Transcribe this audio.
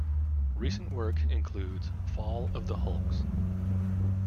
Recent work includes Fall of the Hulks.